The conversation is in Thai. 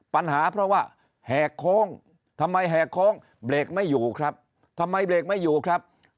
ปัญหาเพราะว่าแหกโค้งทำไมแหกโค้งเบรกไม่อยู่ครับทำไมเบรกไม่อยู่ครับ